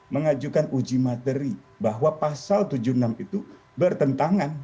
mengajukan uji materi bahwa pasal tujuh puluh enam itu bertentangan